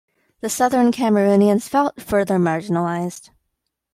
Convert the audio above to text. The Southern Cameroonians felt further marginalised.